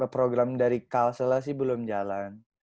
program dari kalselnya sih belum jalan